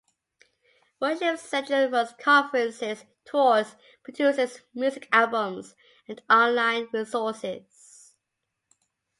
Worship Central runs conferences, tours, produces music albums and online resources.